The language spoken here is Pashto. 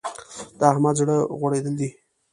د احمد زړه غوړېدل دی.